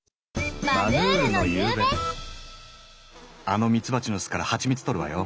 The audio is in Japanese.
あのミツバチの巣からはちみつとるわよ。